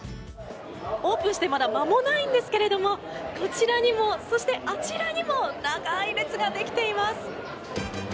オープンしてまだ間もないんですけれどもこちらにも、そしてあちらにも長い列ができています。